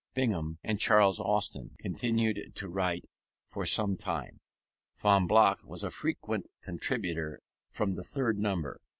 Bingham and Charles Austin continued to write for some time; Fonblanque was a frequent contributor from the third number.